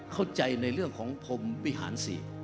เข้าใจในเรื่องของพรมวิหาร๔